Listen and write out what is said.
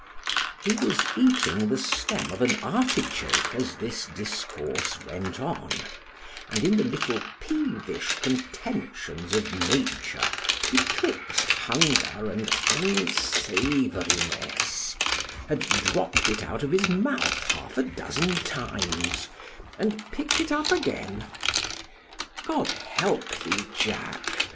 He was eating the stem of an artichoke as this discourse went on, and in the little peevish contentions of nature betwixt hunger and unsavouriness, had dropt it out of his mouth half a dozen times, and pick'd it up again——God help thee, _Jack!